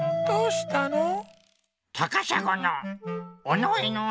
どうしたの？